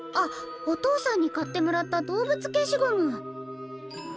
お父さんに買ってもらった動物消しゴム！